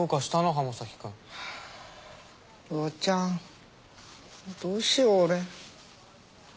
ハァ魚ちゃんどうしよう俺。